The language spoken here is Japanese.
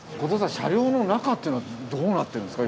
車両の中っていうのはどうなってるんですか？